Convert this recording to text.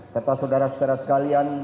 serta saudara saudara sekalian